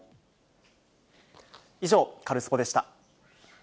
以上、カルスポっ！でした。